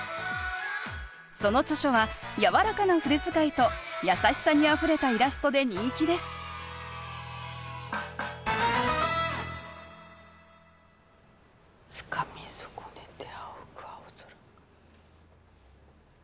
その著書はやわらかな筆遣いと優しさにあふれたイラストで人気です「つかみそこねて仰ぐ青空」。